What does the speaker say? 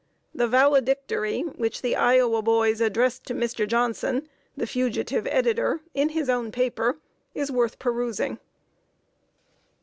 The valedictory, which the Iowa boys addressed to Mr. Johnson, the fugitive editor, in his own paper, is worth perusing.